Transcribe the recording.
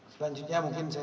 selanjutnya mungkin saya